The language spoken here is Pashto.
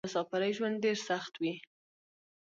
د مسافرۍ ژوند ډېر سخت وې.